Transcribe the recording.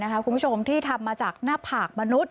คุณผู้ชมที่ทำมาจากหน้าผากมนุษย